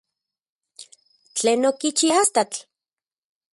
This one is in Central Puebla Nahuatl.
¿Tlen okichi astatl?